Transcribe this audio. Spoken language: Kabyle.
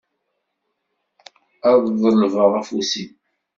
Ad d-ḍelbeɣ afus-im.